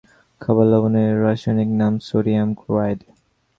খাবার লবণের রাসায়নিক নাম সোডিয়াম ক্লোরাইড।